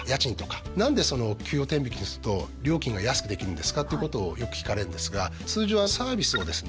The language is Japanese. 何で給与天引きにすると料金が安くできるんですか？っていうことをよく聞かれるんですが通常はサービスをですね